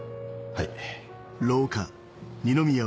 はい。